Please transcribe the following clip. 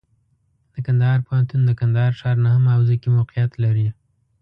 د کندهار پوهنتون د کندهار ښار نهمه حوزه کې موقعیت لري.